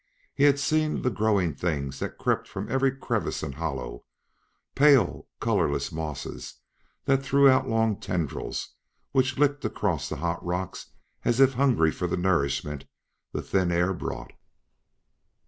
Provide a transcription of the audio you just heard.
He had seen the growing things that crept from every crevice and hollow pale, colorless mosses that threw out long tendrils which licked across the hot rocks as if hungry for the nourishment the thin air brought.